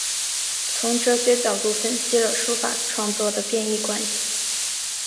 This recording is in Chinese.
从哲学角度分析了书法创作的变易关系。